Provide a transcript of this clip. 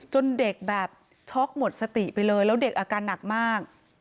เด็กแบบช็อกหมดสติไปเลยแล้วเด็กอาการหนักมาก